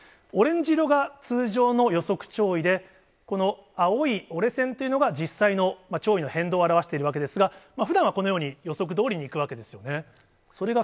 オレンジ色が通常の予測潮位で、この青い折れ線というのが、実際の潮位の変動を表しているわけですが、ふだんはこのように、予測どおりにいくわけですよね。